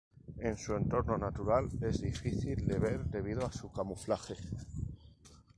En su entorno natural es difícil de ver debido a su camuflaje.